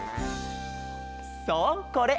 そうこれ！